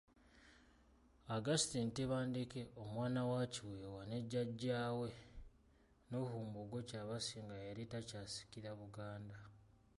Augustine Tebandeke omwana wa Kiweewa ne jjaajjaabwe Noho Mbogo Kyabasinga eyali takyasikira Buganda.